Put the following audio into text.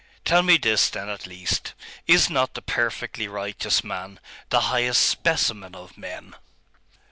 Tell me this, then, at least. Is not the perfectly righteous man the highest specimen of men?